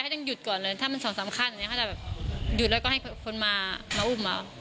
เขาจะหยุดก่อนเลยถ้ามันสองสามขั้นเขาจะหยุดแล้วก็ให้คนมาอุ้มมา